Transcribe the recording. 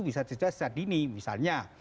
bisa terjadi ini misalnya